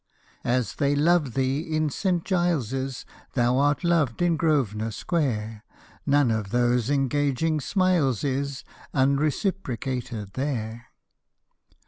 As they love thee in St. Giles's Thou art loved in Grosvenor Square: None of those engaging smiles is Unreciprocated there.